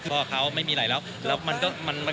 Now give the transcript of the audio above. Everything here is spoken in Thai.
พ่อเขาไม่มีอะไรแล้วแล้วมันก็มัน